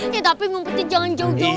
ya tapi ngumpetnya jangan jauh jauh